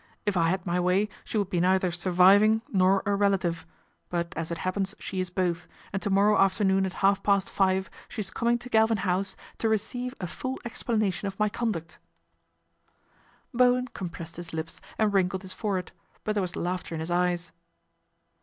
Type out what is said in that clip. " If I had my way she would be neither surviving nor a relative ; but as it happens she is both, and to morrow afternoon at half past five she is coming to Galvin House to receive a full explanation of my conduct." LORD PETER PROMISES A SOLUTION 103 Bowen compressed his lips and wrinkled his forehead ; but there was laughter in his eyes.